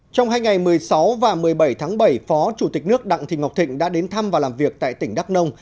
trong hai ngày một mươi sáu và một mươi bảy tháng bảy phó chủ tịch nước đặng thị ngọc thịnh đã đến thăm và làm việc tại tỉnh đắk nông